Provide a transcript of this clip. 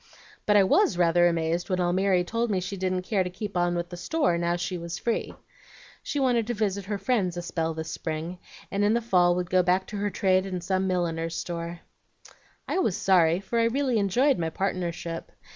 But I WAS rather amazed when Almiry told me she didn't care to keep on with the store now she was free. She wanted to visit her friends a spell this spring, and in the fall would go back to her trade in some milliner's store. "I was sorry, for I really enjoyed my partnership.